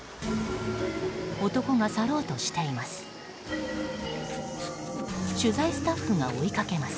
男が去ろうとしています。